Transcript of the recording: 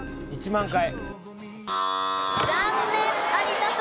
『１０万回』？